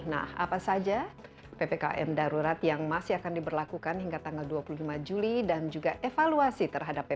nah apa saja ppkm darurat yang masih akan diberlakukan hingga tanggal dua puluh lima juli dan juga evaluasi terhadap ppkm